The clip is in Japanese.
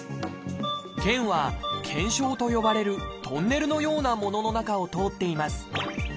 腱は「腱鞘」と呼ばれるトンネルのようなものの中を通っています。